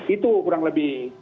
itu kurang lebih